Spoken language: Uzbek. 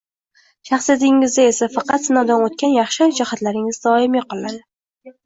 Shaxsiyatingizda esa faqat sinovdan o’tgan yaxshi jihatlaringiz doimiy qoladi